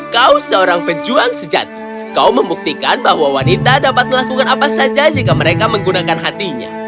kau seorang pejuang sejati kau membuktikan bahwa wanita dapat melakukan apa saja jika mereka menggunakan hatinya